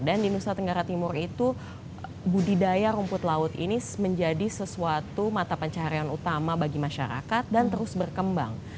dan di nusa tenggara timur itu budidaya rumput laut ini menjadi sesuatu mata pencaharian utama bagi masyarakat dan terus berkembang